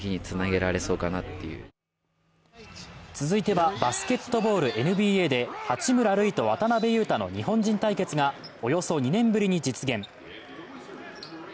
続いてはバスケットボールＮＢＡで八村塁と渡邊雄太の日本人対決がおよそ２年ぶりに実現。